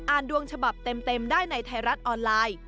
ดวงฉบับเต็มได้ในไทยรัฐออนไลน์